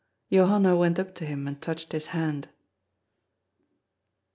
Johanna went up to him and touched his hand.